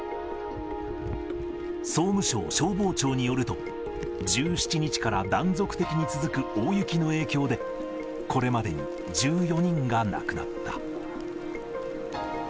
総務省消防庁によると、１７日から断続的に続く大雪の影響で、これまでに１４人が亡くなった。